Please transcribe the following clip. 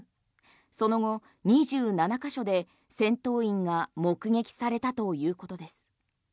その後２７ヶ所で戦闘員が目撃されたということです。